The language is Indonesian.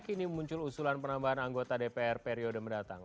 kini muncul usulan penambahan anggota dpr periode mendatang